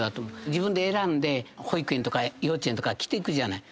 自分で選んで保育園とか幼稚園とか着ていくじゃない。